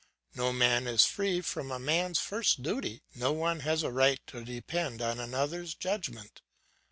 No man is free from a man's first duty; no one has a right to depend on another's judgment.